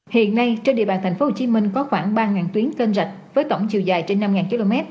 hiện nay trên địa bàn tp hcm có khoảng ba tuyến kênh rạch với tổng chiều dài trên năm km